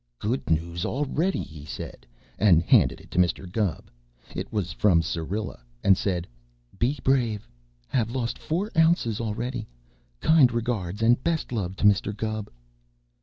"Good news already," he said and handed it to Mr. Gubb. It was from Syrilla and said: Be brave. Have lost four ounces already. Kind regards and best love to Mr. Gubb.